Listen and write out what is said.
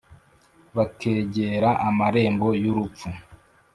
Bakegera amarembo y urupfu